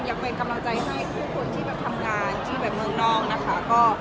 ยังเป็นกำลังใจให้ทุกคนที่แบบทำงานที่แบบเมืองนอกนะคะ